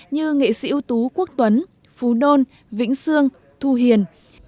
như nghệ sĩ ưu tú quốc tuấn phú nôn vĩnh sương thu hiền